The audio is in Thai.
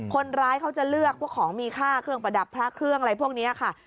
คนร้ายเขาจะเลือกพวกของมีค่าเครื่องประดับพระเครื่องอะไรพวกนี้ค่ะ